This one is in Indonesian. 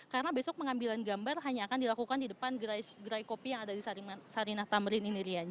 karena besok pengambilan gambar hanya akan dilakukan di depan gerai kopi yang ada di sarinah tamrin ini rian